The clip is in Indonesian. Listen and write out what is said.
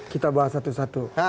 kita bahas satu satu